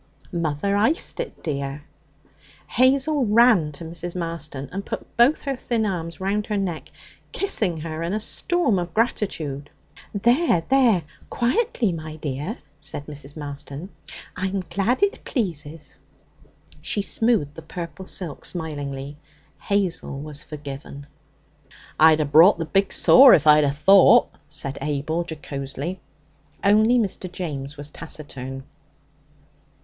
'Mother iced it, dear.' Hazel ran to Mrs. Marston and put both her thin arms round her neck, kissing her in a storm of gratitude. 'There, there! quietly, my dear,' said Mrs. Marston. 'I'm glad it pleases.' She smoothed the purple silk smilingly. Hazel was forgiven. 'I'd a brought the big saw if I'd 'a thought,' said Abel jocosely. Only Mr. James was taciturn.